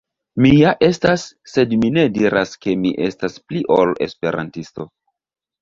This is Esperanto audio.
Mi ja estas, sed mi ne diras ke mi estas pli ol Esperantisto.